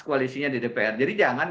koalisinya di dpr jadi jangan